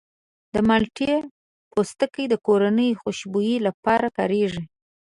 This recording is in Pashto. د مالټې پوستکی د کورني خوشبویي لپاره کارېږي.